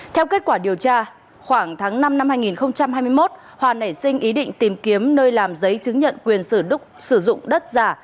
theo kết quả điều tra khoảng tháng năm năm hai nghìn hai mươi một hòa nảy sinh ý định tìm kiếm nơi làm giấy chứng nhận quyền sử đúc sử dụng đất giả